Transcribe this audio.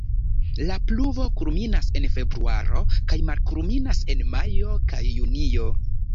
La pluvo kulminas en februaro kaj malkulminas en majo kaj junio.